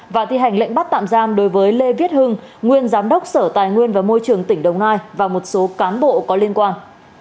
và thi hành lệnh bắt tạm giam đối với lê viết hưng nguyên giám đốc sở tài nguyên và môi trường tỉnh đồng nai và một số cán bộ có liên quan